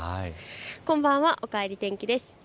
こんばんは、おかえり天気です。